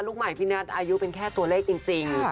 ใหม่พี่นัทอายุเป็นแค่ตัวเลขจริง